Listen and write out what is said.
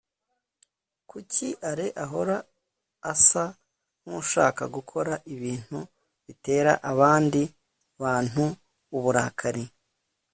kuki alain ahora asa nkushaka gukora ibintu bitera abandi bantu uburakari